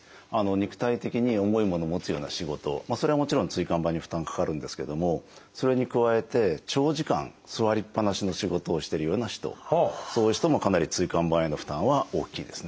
肉体的に重いものを持つような仕事それはもちろん椎間板に負担かかるんですけどもそれに加えて長時間座りっぱなしの仕事をしてるような人そういう人もかなり椎間板への負担は大きいですね。